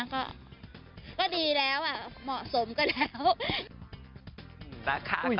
ก็ดีแล้วเหมาะสมก็แล้ว